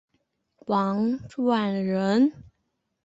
王篆人。